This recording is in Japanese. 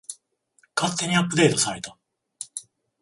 勝手にアップデートされた